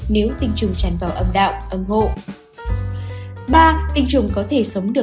nếu tinh trùng tràn vào âm đạo âm ngộ